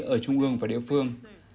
ở trung ương và địa phương